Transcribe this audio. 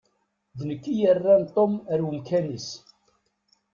D nekk i yerran Tom ar umkan-is.